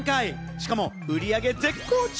しかも売上絶好調！